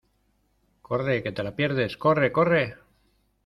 ¡ corre que te la pierdes, corre! ¡ corre !